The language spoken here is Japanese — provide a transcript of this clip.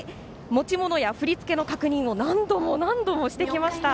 持ち物や振り付けの確認を何度もしてきました。